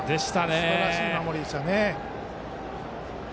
すばらしい守りでしたね。